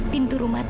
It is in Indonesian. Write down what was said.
pintu rumah tante